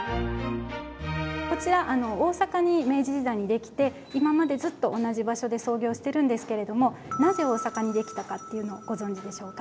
こちら大阪に明治時代にできて今までずっと同じ場所で操業してるんですけれどもなぜ大阪にできたかっていうのをご存じでしょうか？